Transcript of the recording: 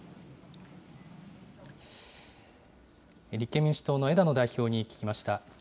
立憲民主党の枝野代表に聞きました。